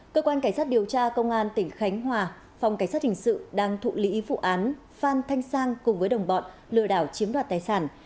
cơ quan cảnh sát điều tra công an tỉnh khánh hòa phòng cảnh sát hình sự đang thụ lý vụ án phan thanh sang cùng với đồng bọn lừa đảo chiếm đoạt tài sản